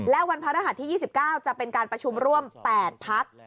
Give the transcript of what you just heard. และวันพระรหัสที่๒๙จะเป็นการประชุมร่วม๘พัก